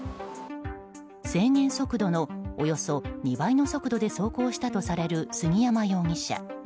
制限速度のおよそ２倍の速度で走行したとされる杉山容疑者。